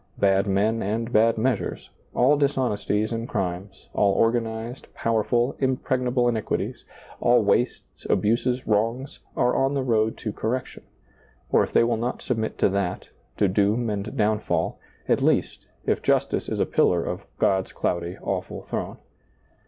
Bad men and bad measures, all dishonesties and crimes, all organized, powerful, impregnable iniq uities, all wastes, abuses, wrongs, are on the road to correction ; or, if they will not submit to that, to doom and downfall, at least, if justice is a pillar of God's cloudy, awful throne.